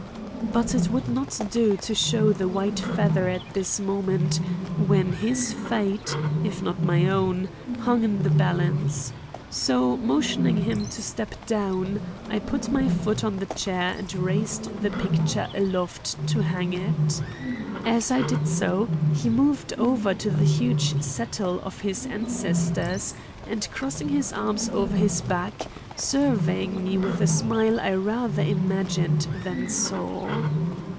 But it would not do to show the white feather at a moment when his fate, if not my own, hung in the balance; so motioning him to step down, I put foot on the chair and raised the picture aloft to hang it. As I did so, he moved over to the huge settle of his ancestors, and, crossing his arms over its back, surveyed me with a smile I rather imagined than saw.